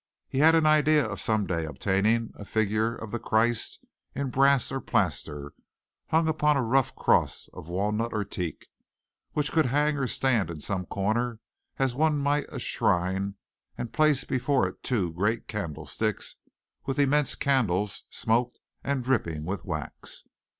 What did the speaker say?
He had an idea of some day obtaining a figure of the Christ in brass or plaster, hung upon a rough cross of walnut or teak, which he could hang or stand in some corner as one might a shrine and place before it two great candlesticks with immense candles smoked and dripping with wax.